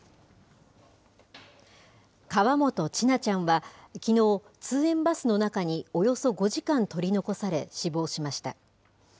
河本千奈ちゃんは、きのう、通園バスの中におよそ５時間取り残され、死亡しました。